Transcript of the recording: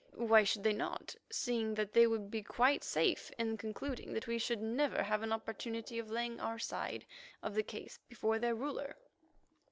Why should they not, seeing that they would be quite safe in concluding that we should never have an opportunity of laying our side of the case before their ruler?